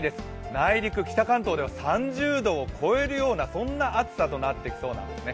内陸、北関東では３０度を超えるような暑さとなりそうなんですね。